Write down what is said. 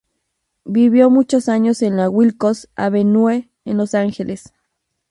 Vivió muchos años en la Wilcox Avenue, en Los Ángeles.